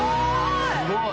すごーい！